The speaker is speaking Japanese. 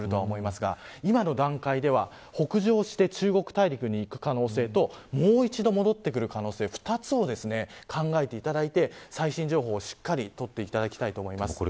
しかし今の段階は北上して中国大陸に行く可能性ともう一度戻ってくる可能性２つを考えていただいて最新情報をしっかり見ていただきたいです。